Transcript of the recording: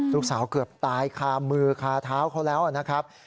เกือบตายคามือคาเท้าเขาแล้วนะครับ